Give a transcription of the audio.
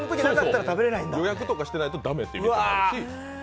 予約とかしてないと駄目っていう店もあると。